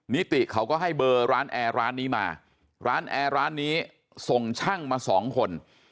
นิติเขาก็ให้เบอร์ร้านแอร์ร้านนี้มาร้านแอร์ร้านนี้ส่งช่างมาสองคน